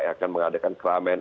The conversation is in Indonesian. yang akan mengadakan keramain